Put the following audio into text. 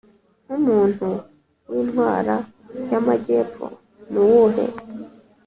nkumuntu wintara yamajyepfo ni uwuhe